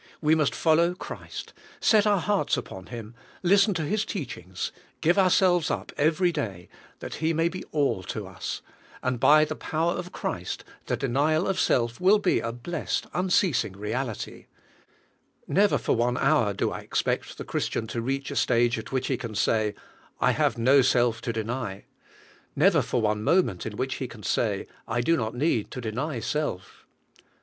W^e must follow Christ, set our hearts upon Him, listen to His teachings, give our selves up every day^ that He may be all to us, and by the power of Christ the denial of self will be a blessed, unceasing realit3\ Never for one hour do I expect the Christian to reach a stage at which he can say, "I have no self to deny;" never 36 THE SELF LIFE for one moment in which he can say, "I do not need to deny self."